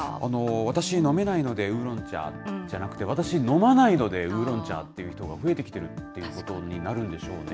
私、飲めないのでウーロン茶じゃなくて、私飲まないのでウーロン茶という人が増えてきているということになるんでしょうね。